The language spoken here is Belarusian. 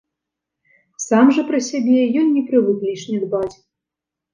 Сам жа пра сябе ён не прывык лішне дбаць.